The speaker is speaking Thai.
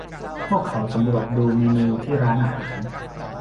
พวกเขาสำรวจดูเมนูที่ร้านอาหาร